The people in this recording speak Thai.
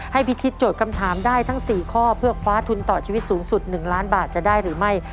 พิธิโจทย์คำถามได้ทั้ง๔ข้อเพื่อคว้าทุนต่อชีวิตสูงสุด๑ล้านบาทจะได้หรือไม่